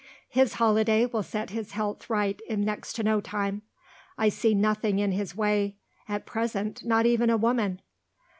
His holiday will set his health right in next to no time. I see nothing in his way, at present not even a woman!